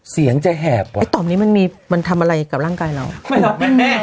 เสียงจะแหบเหรอไอ้ต่อมนี้มันมีมันทำอะไรกับร่างกายเราไม่รับแน่